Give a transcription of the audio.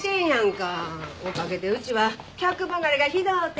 おかげでうちは客離れがひどうて。